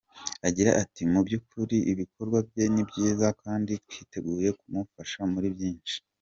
Agira ati “Mu by’ukuri ibikorwa bye ni byiza kandi twiteguye kumufasha muri byinshi.